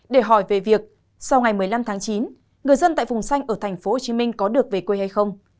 để hỏi về việc sau ngày một mươi năm tháng chín người dân tại vùng xanh ở tp hcm có được về quê hay không